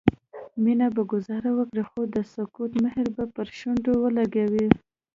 مينه به ګذاره وکړي خو د سکوت مهر به پر شونډو ولګوي